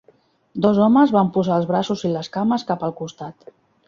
Dos homes van posar els braços i les cames cap al costat.